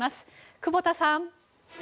久保田さん。